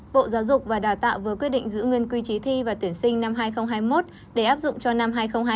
bộ giáo dục và đào tạo vừa quyết định giữ nguyên quy chế thi và tuyển sinh năm hai nghìn hai mươi một để áp dụng cho năm hai nghìn hai mươi